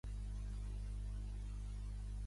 Telefona a la Macarena Calafat.